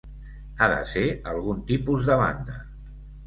Ha de ser algun tipus de banda.